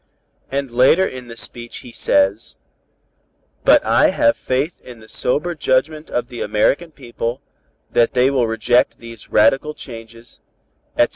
And later in the speech he says: 'But I have faith in the sober judgment of the American people, that they will reject these radical changes, etc.'